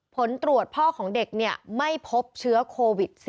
ผลตรวจพ่อของเด็กไม่พบเชื้อโควิด๑๙